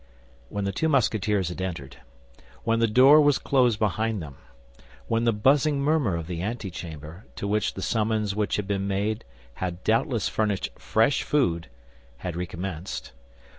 When the two Musketeers had entered; when the door was closed behind them; when the buzzing murmur of the antechamber, to which the summons which had been made had doubtless furnished fresh food, had recommenced; when M.